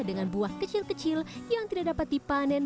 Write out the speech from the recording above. dengan buah kecil kecil yang tidak dapat dipanen